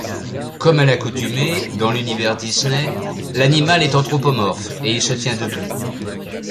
Comme à l'accoutumée dans l'univers Disney, l'animal est anthropomorphe, et il se tient debout.